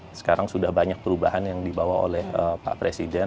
sekarang sudah banyak perubahan yang dibawa oleh pak presiden